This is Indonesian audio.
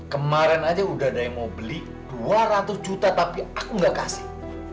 kemarin saja sudah ada yang mau beli dua ratus juta tapi aku tidak memberikan